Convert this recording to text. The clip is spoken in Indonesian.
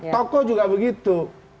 tokoh juga begitu